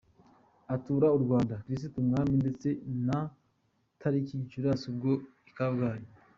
atura u Rwanda. Kristu Umwami ndetse na tariki Gicurasi ubwo i Kabgayi.